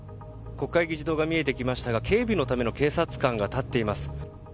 国会議事堂が見えてきましたが警備のための警察官が立っています。